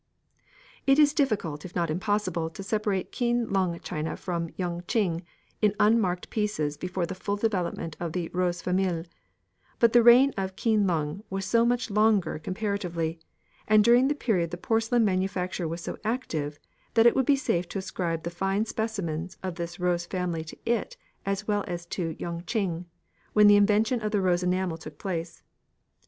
It is difficult, if not impossible, to separate Keen lung china from Yung ching in unmarked pieces before the full developement of the "rose famille," but the reign of Keen lung was so much longer comparatively, and during the period the porcelain manufacture was so active, that it will be safe to ascribe the fine specimens of this rose family to it as well as to Yung ching, when the invention of the rose enamel took place.